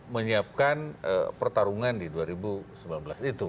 menyiapkan pertarungan di dua ribu sembilan belas itu